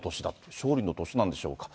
勝利の年なんでしょうか。